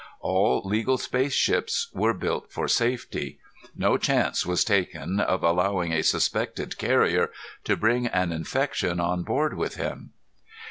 All legal spaceships were built for safety. No chance was taken of allowing a suspected carrier to bring an infection on board with him.